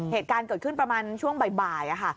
เหตุการณ์เกิดขึ้นประมาณช่วงบ่ายค่ะ